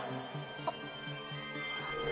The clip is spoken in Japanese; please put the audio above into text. あっ。